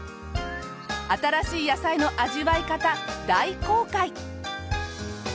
新しい野菜の味わい方大公開！